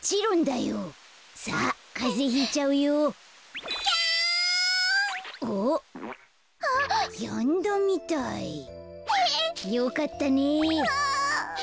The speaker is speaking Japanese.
よかったね。